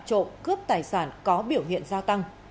trộm cướp tài sản có biểu hiện gia tăng